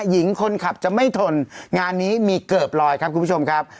หญิงคนขับจะไม่ทนงานนี้มีเกือบลอยครับคุณผู้ชมครับ